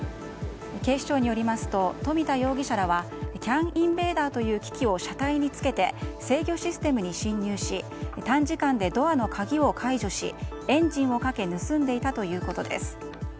警視庁によりますと冨田容疑者らはＣＡＮインベーダーという機器を車体につけて制御システムに侵入し短時間でドアの鍵を解除しエンジンをかけ盗んでいたということです。